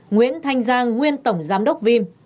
nguyễn thanh giang nguyên tổng giám đốc vim